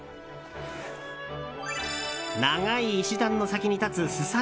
長い石段の先に立つ素盞鳴